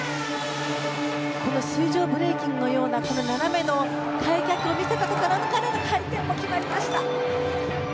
水上ブレーキングのような斜めの開脚を見せたところから回転も決まりました。